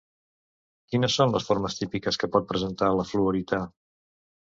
Quines són les formes típiques que pot presenta la fluorita?